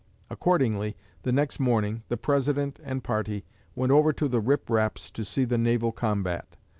Accordingly, the next morning, the President and party went over to the Rip Raps to see the naval combat.